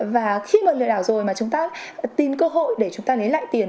và khi mà lừa đảo rồi mà chúng ta tìm cơ hội để chúng ta lấy lại tiền